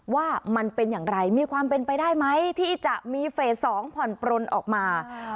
ว่ามันเป็นอย่างไรมีความเป็นไปได้ไหมที่จะมีเฟส๒ผ่อนปลนออกมา